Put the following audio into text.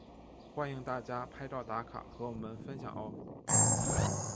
欢迎大家拍照打卡和我们分享喔！